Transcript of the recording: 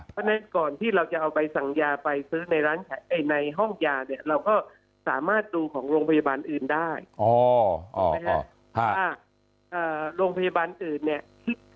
เพราะฉะนั้นก่อนที่เราจะเอาไปสั่งยาไปซื้อในร้านในห้องยาเนี่ยเราก็สามารถดูของโรงพยาบาลอื่นได้